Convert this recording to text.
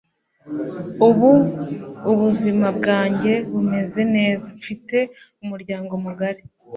ubu ubuzima bwanjye bumeze neza, mfite umuryango mugari